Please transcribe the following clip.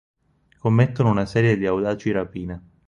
Commettono una serie di audaci rapine.